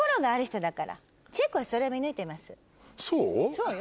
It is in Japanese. そうよ。